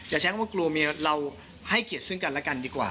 ใช้คำว่ากลัวเมียเราให้เกียรติซึ่งกันและกันดีกว่า